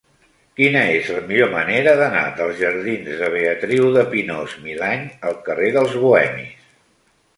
Quina és la millor manera d'anar dels jardins de Beatriu de Pinós-Milany al carrer dels Bohemis?